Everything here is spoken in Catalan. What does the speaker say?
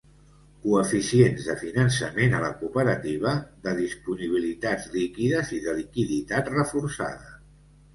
Coeficients de finançament a la cooperativa, de disponibilitats líquides i de liquiditat reforçada.